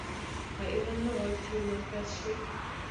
آیا ایران نه غواړي چې یو مرکز شي؟